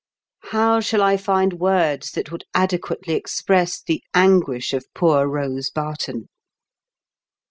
How shall I find words that would adequately express the anguish of poor Kose Barton